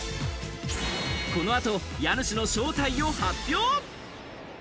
この後、家主の正体を発表。